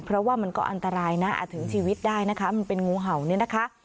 เพราะว่ามันก็อันตรายนะอาจถึงชีวิตได้นะคะมันเป็นงูเห่าเนี่ยนะคะ